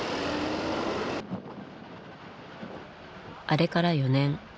あれから４年。